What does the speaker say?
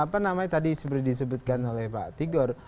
apa namanya tadi seperti disebutkan oleh pak tigor